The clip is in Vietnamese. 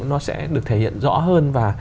nó sẽ được thể hiện rõ hơn và